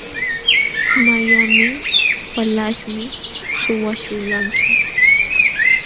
¿Mayqannin walaśhmi suwaśhulqanki?